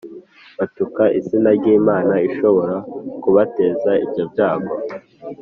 batuka izina ry’Imana ishobora kubateza ibyo byago,